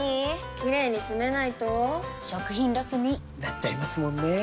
キレイにつめないと食品ロスに．．．なっちゃいますもんねー！